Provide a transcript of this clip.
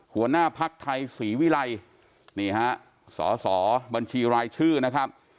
หัวหน้าภักดิ์ไทยศรีวิรัยนี่ฮะสอสอบัญชีรายชื่อนะครับ